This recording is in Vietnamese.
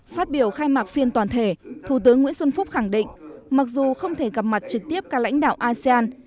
phát biểu khai mạc phiên toàn thể thủ tướng nguyễn xuân phúc khẳng định mặc dù không thể gặp mặt trực tiếp các lãnh đạo asean